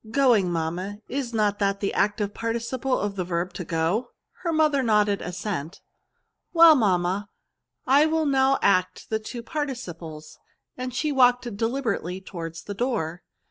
'' Going^ mamma, is not that the active participle of the verb to go ?" Her mother nodded assent. " Well, mam ma, I will now act the two participles," and she walked deliberately towards the door.